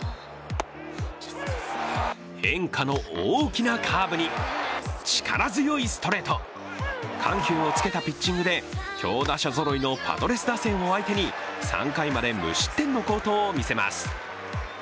変化の大きなカーブに力強いストレート、緩急をつけたピッチングで強打者ぞろいのパドレス打線を相手に３回まで無失点の好投を見せます。